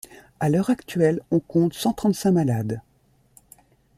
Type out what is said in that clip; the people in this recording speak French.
À l’heure actuelle, on compte cent trente-cinq malades.